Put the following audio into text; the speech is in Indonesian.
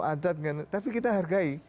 adat tapi kita hargai